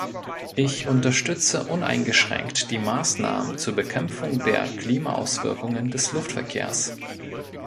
Ich unterstütze uneingeschränkt die Maßnahmen zur Bekämpfung der Klimaauswirkungen des Luftverkehrs.